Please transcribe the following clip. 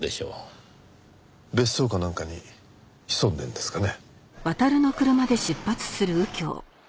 別荘かなんかに潜んでるんですかね？